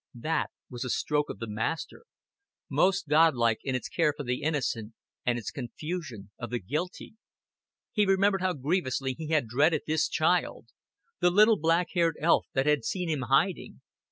That was a stroke of the Master: most Godlike in its care for the innocent and its confusion of the guilty. He remembered how grievously he had dreaded this child the little black haired elf that had seen him hiding.